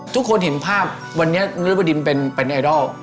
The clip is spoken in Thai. ทุกคนเห็นภาพวันนี้นริบดินเป็นไอดอล